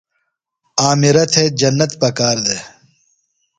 عامرہ تھےۡ جنت پکار دےۡ۔